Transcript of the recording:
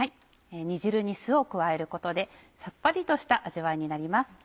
煮汁に酢を加えることでさっぱりとした味わいになります。